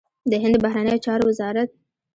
د هند د بهرنيو چارو وزارت